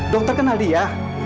dokter kenal dia